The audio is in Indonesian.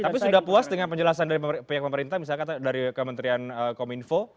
tapi sudah puas dengan penjelasan dari pihak pemerintah misalkan dari kementerian kominfo